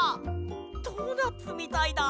ドーナツみたいだ。